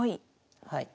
はい。